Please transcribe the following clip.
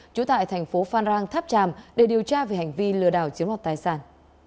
trú tại thành phố phan rang tháp tràm để điều tra về hành vi lừa đảo chiếm đoạt tài sản